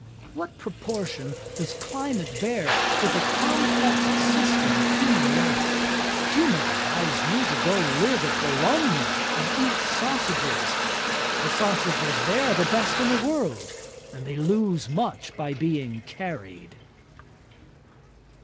What proportion does climate bear to the complex system of human life? You may advise me to go to live at Bologna to eat sausages. The sausages there are the best in the world; they lose much by being carried.'